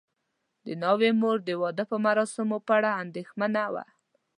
د ناوې مور د واده د مراسمو په اړه اندېښمنه وه.